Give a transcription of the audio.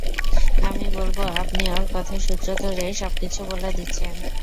আমি বলবো, আপনি ওর কথার সূত্র ধরে সবকিছু বলে দিচ্ছেন।